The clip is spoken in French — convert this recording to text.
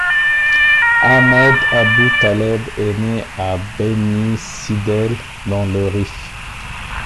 Ahmed Aboutaleb est né à Beni Sidel dans le Rif.